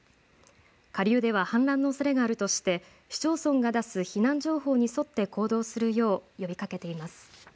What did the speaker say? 下流では氾濫のおそれがあるとして市町村が出す避難情報に沿って行動するよう呼びかけています。